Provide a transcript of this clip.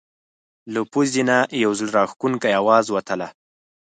له پزې نه یو زړه راښکونکی اواز وتله.